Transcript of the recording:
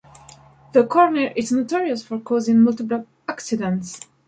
The corner is notorious for causing multiple accidents.